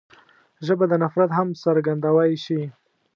ژبه د نفرت هم څرګندوی شي